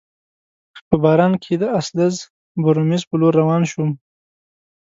په باران کي د اسلز بورومیز په لور روان شوم.